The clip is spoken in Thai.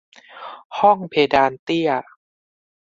ห้องเพดานเตี้ย